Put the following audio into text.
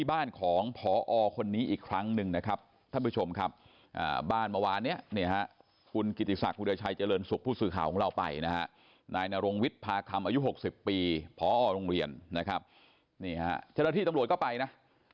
พอโรงเรียนนะครับเฉพาะที่ตำรวจก็ไปนะ